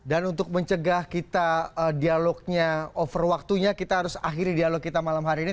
dan untuk mencegah kita dialognya over waktunya kita harus akhiri dialog kita malam hari ini